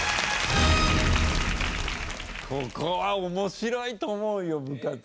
ここは面白いと思うよ部活。